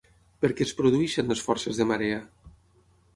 Per què es produeixen les forces de marea?